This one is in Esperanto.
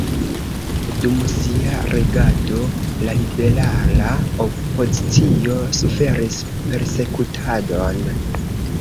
Dum sia regado la liberala opozicio suferis persekutadon.